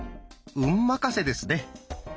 運任せですね。